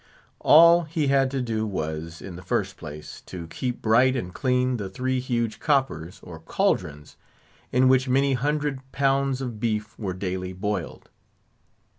All he had to do was, in the first place, to keep bright and clean the three huge coppers, or caldrons, in which many hundred pounds of beef were daily boiled.